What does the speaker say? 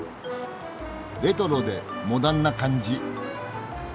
レトロでモダンな感じ。